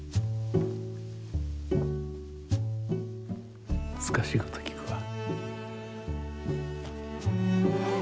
むずかしいこときくわ。